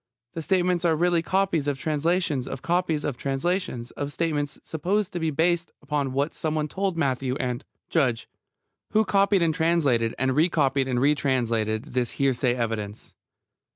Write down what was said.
The statements are really copies of translations of copies of translations of statements supposed to be based upon what someone told Matthew, and JUDGE: Who copied and translated, and re copied and re translated, this hearsay evidence?